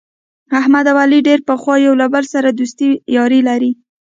احمد او علي ډېر پخوا یو له بل سره دوستي یاري لري.